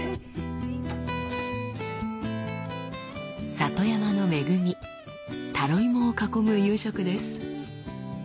里山の恵みタロイモを囲む夕食です。